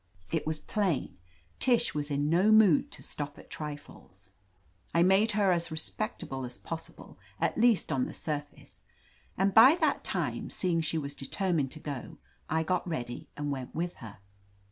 It was plain, Tish was in no mood to stop at trifles. I made her as respectable as possible, at least on the surface, and by that time, seeing she was de termined to go, I got ready and went with her.